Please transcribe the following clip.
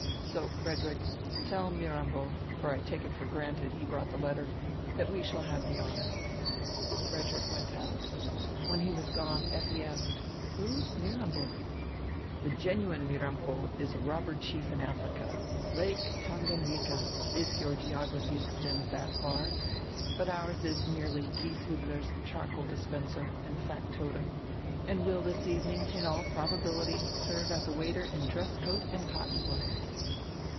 So, Frederick, tell Mirambo, for I take it for granted he brought the letter, that we shall have the honor." Frederick went out When he was gone Effi asked: "Who is Mirambo?" "The genuine Mirambo is a robber chief in Africa — Lake Tanganyika, if your geography extends that far — but ours is merely Gieshiibler's charcoal dispenser and factotum, and will this evening, in all probability, serve as a waiter in dress coat and cotton gloves."